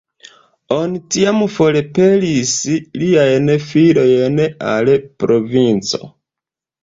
Oni tiam forpelis liajn filojn al provinco.